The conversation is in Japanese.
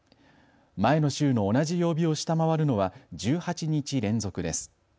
前の週の同じ曜日を下回るのは１８日連続です。